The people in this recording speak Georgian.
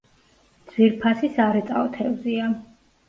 ძვირფასი სარეწაო თევზია.